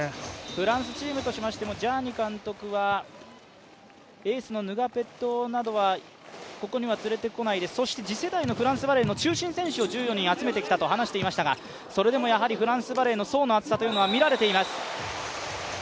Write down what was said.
フランスチームとしましてもジャーニ監督はエースはここには連れてこないでそして次世代のフランスバレーの中心選手を１４人集めてきたと話していましたがそれでもやはりフランスバレーの層の厚さが見られています。